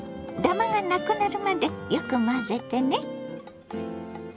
ダマがなくなるまでよく混ぜてね。